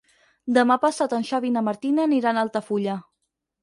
Demà passat en Xavi i na Martina aniran a Altafulla.